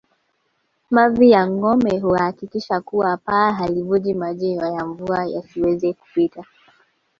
Mavi ya ngombe huhakikisha kuwa paa halivuji na maji ya mvua yasiweze kupita